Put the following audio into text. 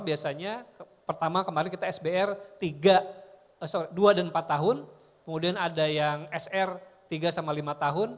biasanya pertama kemarin kita sbr dua dan empat tahun kemudian ada yang sr tiga sama lima tahun